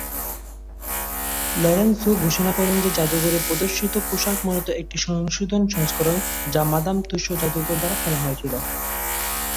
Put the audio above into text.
Lawrence Hu ঘোষণা করেন যে যাদুঘরে প্রদর্শিত পোশাক মূলত একটি সংশোধন সংস্করণ, যা মাদাম তুসো জাদুঘর দ্বারা কেনা হয়েছিল।